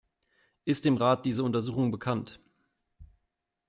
Ist dem Rat diese Untersuchung bekannt?